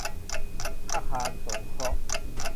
อาคารสงเคราะห์